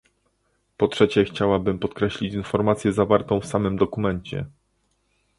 Po trzecie chciałabym podkreślić informację zawartą w samym dokumencie